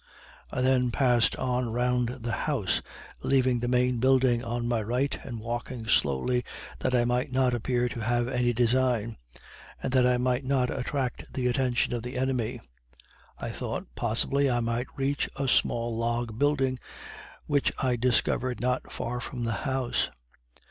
I then passed on round the house, leaving the main building on my right, and walking slowly that I might not appear to have any design, and that I might not attract the attention of the enemy. I thought, possibly, I might reach a small log building which I discovered not far from the house.